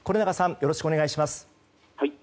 よろしくお願いします。